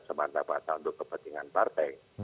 semata mata untuk kepentingan partai